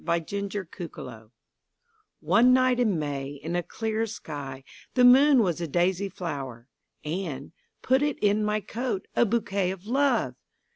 My Flower ONE night in May in a clear skyThe moon was a daisy flower:And! put it in my coat,A bouquet of Love!